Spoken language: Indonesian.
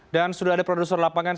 dan sudah ada produser lapangan